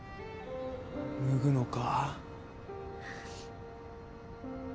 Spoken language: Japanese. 脱ぐのか？